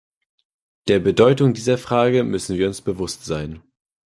Der Bedeutung dieser Frage müssen wir uns bewusst sein.